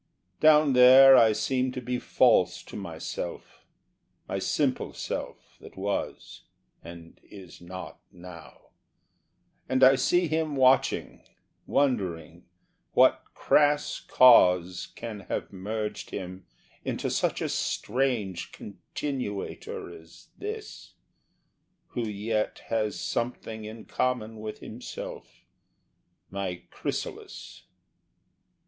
Down there I seem to be false to myself, my simple self that was, And is not now, and I see him watching, wondering what crass cause Can have merged him into such a strange continuator as this, Who yet has something in common with himself, my chrysalis.